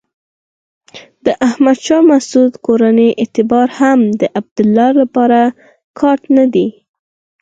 د احمد شاه مسعود کورنۍ اعتبار هم د عبدالله لپاره کارت نه دی.